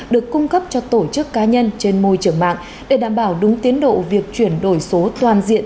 được cung cấp cho tổ chức cá nhân trên môi trường mạng để đảm bảo đúng tiến độ việc chuyển đổi số toàn diện